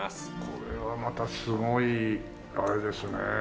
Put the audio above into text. これはまたすごいあれですねえ。